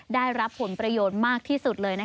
ได้รับผลประโยชน์มากที่สุดเลย